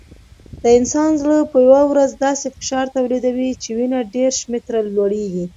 د انسان زړه په یوه ورځ داسې فشار تولیدوي چې وینه دېرش متره لوړېږي.